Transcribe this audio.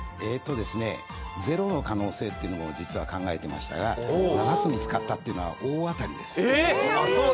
０の可能性も実は考えていましたが７つ見つかったというのは大当たりです。